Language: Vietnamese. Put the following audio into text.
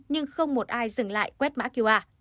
nhưng không một ai dừng lại quét mã qr